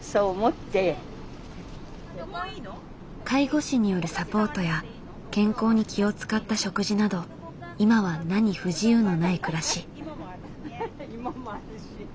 介護士によるサポートや健康に気を遣った食事など今は何不自由のない暮らし。